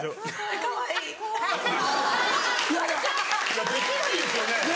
・かわいい・いやできないですよね。